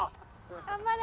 頑張れ！